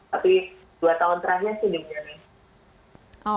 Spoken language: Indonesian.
tapi dua tahun terakhir sih di jerman